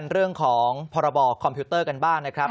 เรื่องของพรบคอมพิวเตอร์กันบ้างนะครับ